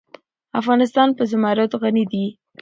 افغانستان په زمرد غني دی.